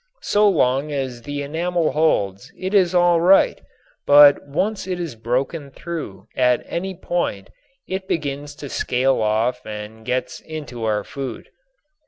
So long as the enamel holds it is all right but once it is broken through at any point it begins to scale off and gets into our food.